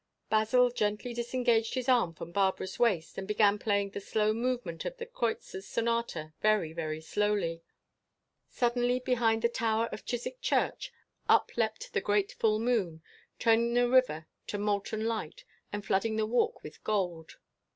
Basil gently disengaged his arm from Barbara's waist and began playing the slow movement of the Kreutzer Sonata very, very softly. Suddenly, behind the tower of Chiswick Church, up leapt the great full moon, turning the river to molten light, and flooding the Walk with gold.